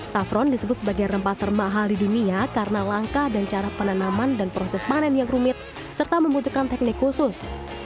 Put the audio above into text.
safron disebut sebagai rempah termahal di dunia karena langkah dan cara penanaman dan proses panen yang rumit serta membutuhkan teknik khusus